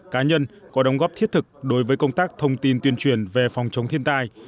cá nhân có đóng góp thiết thực đối với công tác thông tin tuyên truyền về phòng chống thiên tai